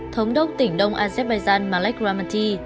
thống đốc tỉnh đông azerbaijan malek ramati